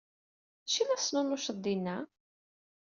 D acu i la tesnunuceḍ dinna?